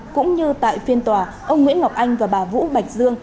cũng như tại phiên tòa ông nguyễn ngọc anh và bà vũ bạch dương